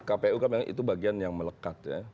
kpu itu bagian yang melekat